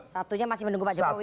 satunya masih menunggu pak jokowi